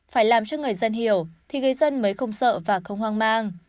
phải làm cho người dân hiểu thì người dân mới không sợ và không hoang mang